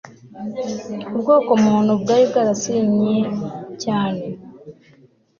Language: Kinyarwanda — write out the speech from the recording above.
ubwoko muntu bwari bwarasigingiye cyane